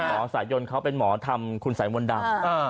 หมอสายยนต์เค้าเป็นหมอธรรมคุณสายมนต์ดำอ่า